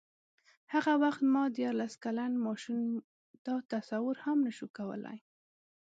هغه وخت ما دیارلس کلن ماشوم دا تصور هم نه شو کولای.